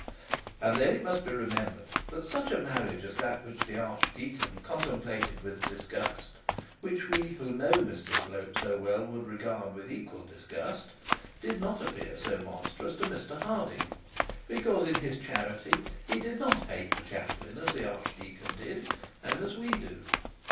And then it must be remembered that such a marriage as that which the archdeacon contemplated with disgust, which we who know Mr Slope so well would regard with equal disgust, did not appear so monstrous to Mr Harding, because in his charity he did not hate the chaplain as the archdeacon did, and as we do.